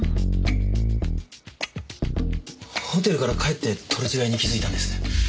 ホテルから帰って取り違えに気付いたんです。